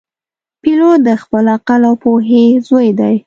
پیلوټ د خپل عقل او پوهې زوی دی.